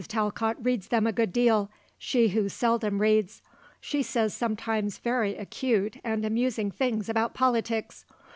Talcott reads them a good deal, she who seldom reads. She says sometimes very acute and amusing things about politics.